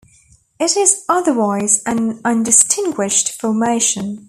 It is otherwise an undistinguished formation.